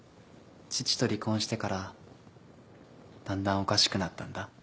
父と離婚してからだんだんおかしくなったんだ。